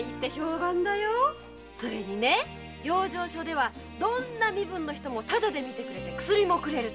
それに養生所はどんな身分の人もタダで診てくれて薬もくれる。